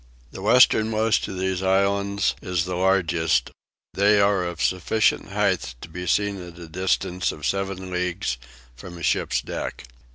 The westernmost of these islands is the largest; they are of sufficient height to be seen at the distance of seven leagues from a ship's deck.